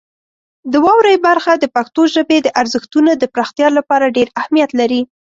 د واورئ برخه د پښتو ژبې د ارزښتونو د پراختیا لپاره ډېر اهمیت لري.